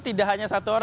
tidak hanya satu